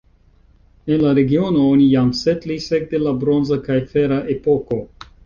En la regiono oni jam setlis ekde la bronza kaj fera epoko.